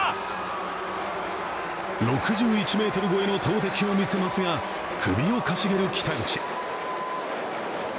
６１ｍ超えの投てきを見せますが、首をかしげる北口。